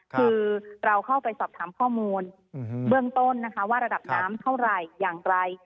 คือเราเข้าไปสอบถามข้อมูลเบื้องต้นนะคะว่าระดับน้ำเท่าไหร่อย่างไร